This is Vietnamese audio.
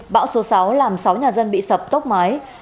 bão số sáu làm sáu nhà dân bị sập tốc mái